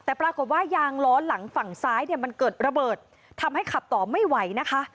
แต่ปรากฏว่ายางล้อหลังฝั่งซ้ายเนี่ยมันเกิดระเบิดทำให้ขับต่อไม่ไหวนะคะ